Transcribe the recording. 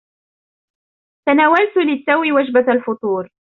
تناولتُ للتو وجبة الفطور.